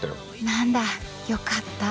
何だよかった。